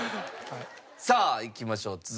さあいきましょう。